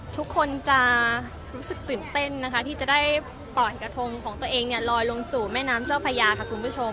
ทุกคนจะรู้สึกตื่นเต้นนะคะที่จะได้ปล่อยกระทงของตัวเองลอยลงสู่แม่น้ำเจ้าพญาค่ะคุณผู้ชม